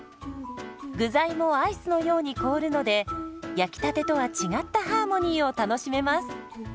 具材もアイスのように凍るので焼きたてとは違ったハーモニーを楽しめます。